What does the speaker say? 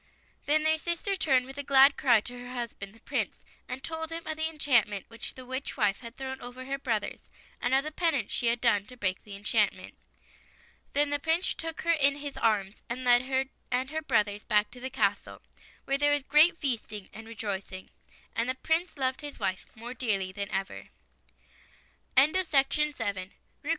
Then their sister turned with a glad cry to her husband, the Prince, and told him of the enchantment which the witch wife had thrown over her brothers, and of the penance she had done to break the enchantrnent. Then the Prince took her in his arms, and led her and her brothers back to the castle, where there was great feasting and rejoic ing. And the Prince loved his wife more dearly ever after.